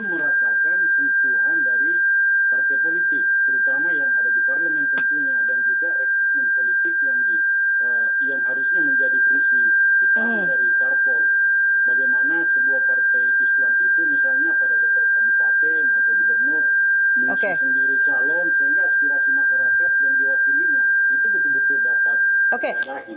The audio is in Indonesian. mesti sendiri calon sehingga aspirasi masyarakat yang diwakilinya itu betul betul dapat lagi